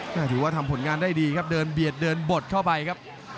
ถือว่าทำผลงานได้ดีครับเดินเบียดเดินบดเข้าไปครับ